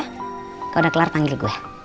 kau udah kelar panggil gue